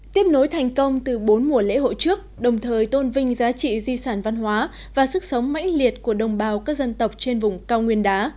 tiếp nối thành công từ bốn mùa lễ hội trước đồng thời tôn vinh giá trị di sản văn hóa và sức sống mãnh liệt của đồng bào các dân tộc trên vùng cao nguyên đá